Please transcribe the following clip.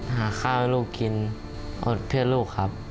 หาข้าวให้ลูกกินอดเพื่อลูกครับ